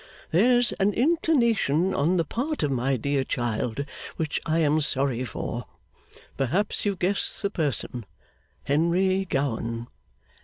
There's an inclination on the part of my dear child which I am sorry for. Perhaps you guess the person. Henry Gowan.